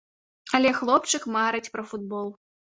Але хлопчык марыць пра футбол.